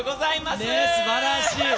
すばらしい。